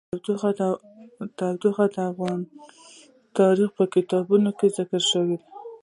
تودوخه د افغان تاریخ په کتابونو کې ذکر شوی دي.